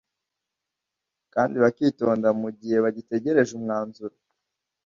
kandi bakitonda mu gihe bagitegereje umwanzuro